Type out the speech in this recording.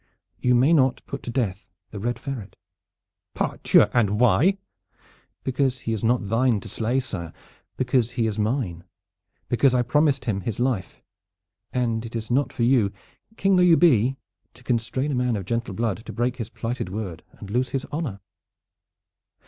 "You may not put to death the Red Ferret." "Pardieu! And why?" "Because he is not thine to slay, sire. Because he is mine. Because I promised him his life, and it is not for you, King though you be, to constrain a man of gentle blood to break his plighted word and lose his honor."